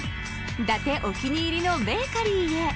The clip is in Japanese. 伊達お気に入りのベーカリーへ。